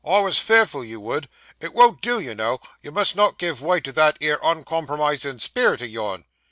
'I was fearful you would; it won't do, you know; you must not give way to that 'ere uncompromisin' spirit o' yourn.